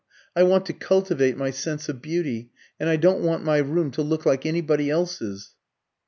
I want to cultivate my sense of beauty, and I don't want my room to look like anybody else's."